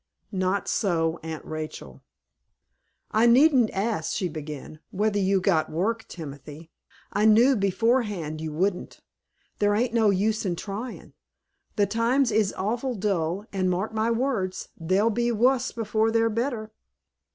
Not so Aunt Rachel. "I needn't ask," she began, "whether you got work, Timothy. I knew beforehand you wouldn't. There ain't no use in tryin'. The times is awful dull, and, mark my words, they'll be wuss before they're better.